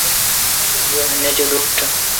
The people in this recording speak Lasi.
يو ھنجو ڏوٽ